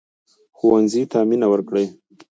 ښوونځی ته مينه ورکړئ